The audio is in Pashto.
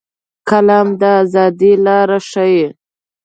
قلم د ازادۍ لارې ښيي